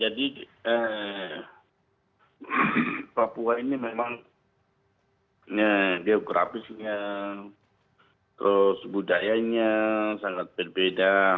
jadi papua ini memang geografisnya terus budayanya sangat berbeda